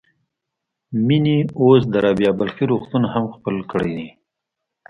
مينې اوس د رابعه بلخي روغتون هم خپل کړی دی.